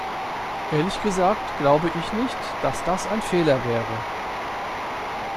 Ehrlich gesagt, glaube ich nicht, dass das ein Fehler wäre.